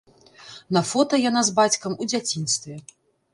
На фота яна з бацькам у дзяцінстве.